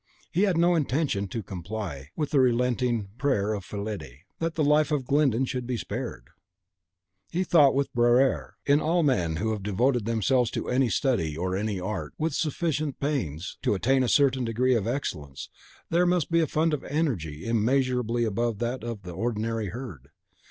He had no intention to comply with the relenting prayer of Fillide, that the life of Glyndon should be spared. He thought with Barrere, "Il n'y a que les morts qui ne revient pas." In all men who have devoted themselves to any study, or any art, with sufficient pains to attain a certain degree of excellence, there must be a fund of energy immeasurably above that of the ordinary herd.